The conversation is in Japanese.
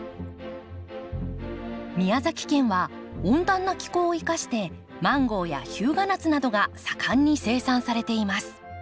宮崎県は温暖な気候を生かしてマンゴーや日向夏などが盛んに生産されています。